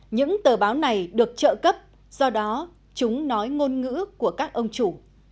những tờ báo này được trợ cấp do đó chúng nói ngôn ngữ của các ông chủ